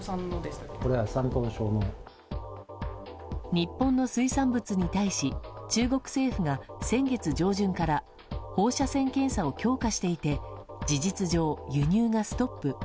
日本の水産物に対し中国政府が先月上旬から放射線検査を強化していて事実上、輸入がストップ。